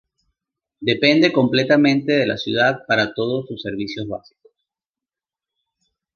Depende completamente de la ciudad para todos sus servicios básicos.